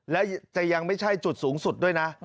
และจะยังไม่ใช่จุดสูงสุดด้วยนะ